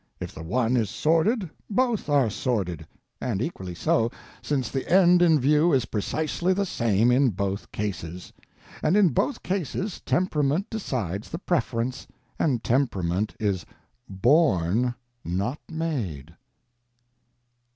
If the one is sordid, both are sordid; and equally so, since the end in view is precisely the same in both cases. And in both cases Temperament decides the preference—and Temperament is born, not made.